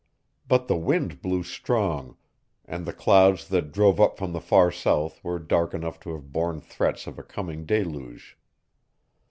But the wind blew strong, and the clouds that drove up from the far south were dark enough to have borne threats of a coming deluge.